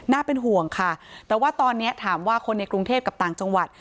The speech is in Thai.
เป็นห่วงค่ะแต่ว่าตอนนี้ถามว่าคนในกรุงเทพกับต่างจังหวัด